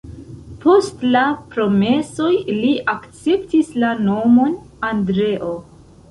Post la promesoj li akceptis la nomon Andreo.